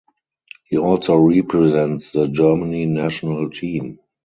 He also represents the Germany national team.